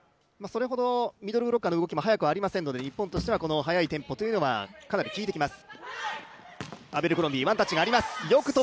それほどミドルブロッカーの動きも速くはありませんので日本としてはこの速いテンポというのはかなり効いてきます。